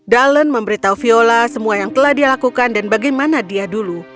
dallon memberitahu viola semua yang telah dia lakukan dan bagaimana dia dulu